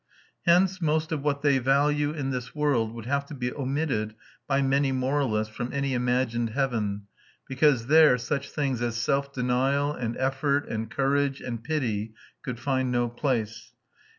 Hence most of what they value in this world would have to be omitted by many moralists from any imagined heaven, because there such things as self denial and effort and courage and pity could find no place....